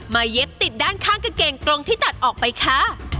เย็บติดด้านข้างกางเกงตรงที่ตัดออกไปค่ะ